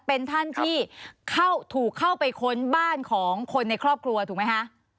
เป็นท่านที่ถูกเข้าไปค้นบ้านของคนในครอบครัวถูกไหมคะ